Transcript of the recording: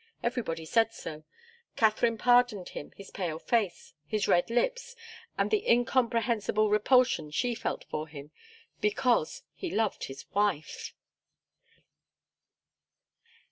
Everybody said so. Katharine pardoned him his pale face, his red lips, and the incomprehensible repulsion she felt for him, because he loved his wife.